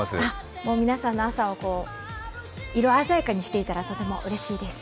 もう皆さんの朝を色鮮やかにしていたらうれしいです。